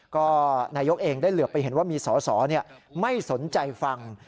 ก็นายกเองได้เหลือไปเห็นว่ามีสอสอไม่สนใจฟัง